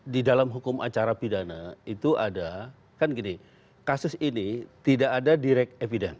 di dalam hukum acara pidana itu ada kan gini kasus ini tidak ada direct evidence